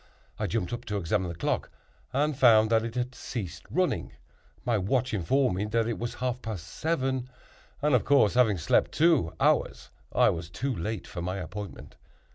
I jumped up to examine the clock, and found that it had ceased running. My watch informed me that it was half past seven; and, of course, having slept two hours, I was too late for my appointment.